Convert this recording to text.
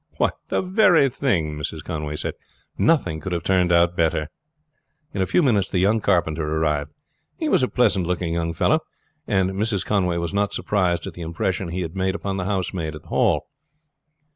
"The very thing," Mrs. Conway said. "Nothing could have turned out better." In a few minutes the young carpenter arrived. He was a pleasant looking young fellow, and Mrs. Conway was not surprised at the impression he had made upon the housemaid at the Hall.